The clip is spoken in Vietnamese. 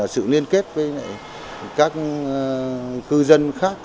sự liên kết với các cư dân khác